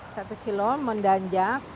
satu kilo mendanjak